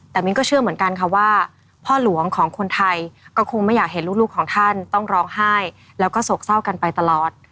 แต่มิ้นก็เชื่อเหมือนกันค่ะว่าพ่อหลวงของคนไทยก็คงไม่อยากเห็นลูกของท่านต้องร้องไห้แล้วก็โศกเศร้ากันไปตลอด